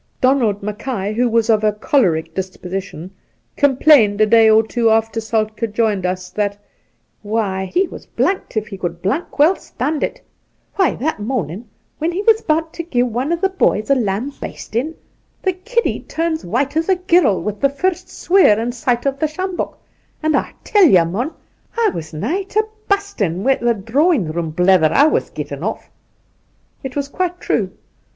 Donald Mackay, who was of a choleric disposition, complained a day or two after Soltke joined us that ' he was blanked if he could blank well stand it. Why, that morn ing, when he was about to gi'e one o' the boys a lambastin', the kiddie turns white as a girl wi' the first swear and a sight of the sjambok, an' Aa teU ye, mon, Aa was nigh to bustin' wi' a' the drawing room blether Aa was gettin' off.' It was quite true.